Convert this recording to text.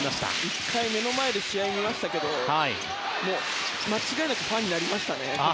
１回、目の前で試合を見ましたけど間違いなくファンになりましたね。